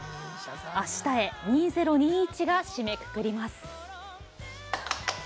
「明日へ２０２１」が締めくくります